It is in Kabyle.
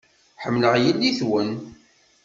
Ḥemmleɣ yelli-twen.